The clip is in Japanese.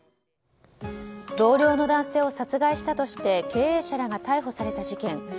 同僚の男性を殺害したとして経営者らが逮捕された事件。